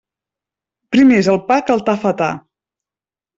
Primer és el pa que el tafetà.